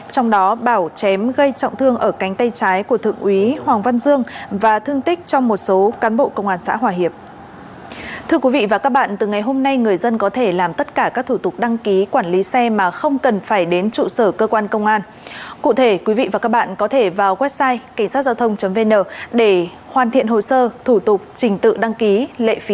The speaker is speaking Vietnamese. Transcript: trong đó bảo chém gây trọng thương ở cánh tay trái của thượng úy hoàng văn dương và thương tích trong một số cán bộ công an xã hòa hiệp